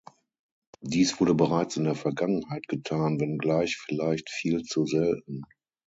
Dies wurde bereits in der Vergangenheit getan, wenngleich vielleicht viel zu selten.